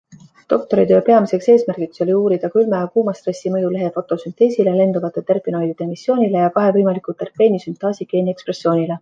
Doktoritöö peamiseks eesmärgiks oli uurida külma- ja kuumastressi mõju lehe fotosünteesile, lenduvate terpenoidide emissioonile ja kahe võimaliku terpeeni süntaasi geeni ekspressioonile.